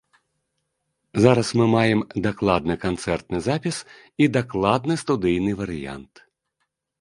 Зараз мы маем дакладны канцэртны запіс і дакладны студыйны варыянт.